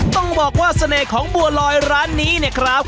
ต้องบอกว่าเสน่ห์ของบัวลอยร้านนี้เนี่ยครับ